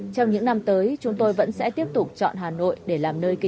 trong những năm tới chúng tôi vẫn sẽ tiếp tục chọn hà nội